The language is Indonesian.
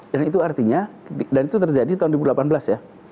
dan itu artinya dan itu terjadi tahun dua ribu delapan belas ya